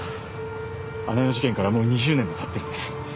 姉の事件からもう２０年もたってるんです。